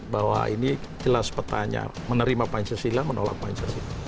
bahwa ini jelas petanya menerima pancasila menolak pancasila